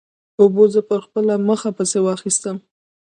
اوبو زه پر خپله مخه پسې واخیستم.